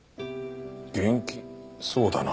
元気そうだな。